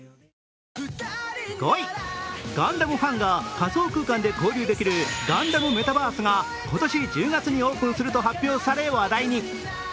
５位、ガンダムファンが仮想空間で交流できるガンダムメタバースが今年１０月にオープンすると発表され話題に。